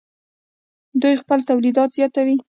دوی خپل تولیدات زیاتوي.